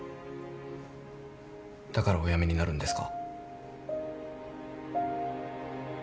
だからお辞めになるんですか？